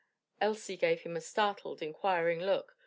Elsie gave him a startled, inquiring look.